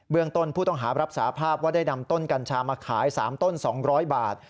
ต้นผู้ต้องหารับสาภาพว่าได้นำต้นกัญชามาขาย๓ต้น๒๐๐บาท